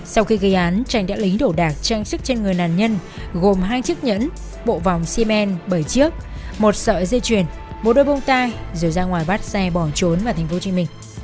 sau khi gây án tranh đã lấy đổ đạc trang sức trên người nạn nhân gồm hai chiếc nhẫn bộ vòng xi men bảy chiếc một sợi dây chuyền một đôi bông tai rồi ra ngoài bắt xe bỏ trốn vào tp hcm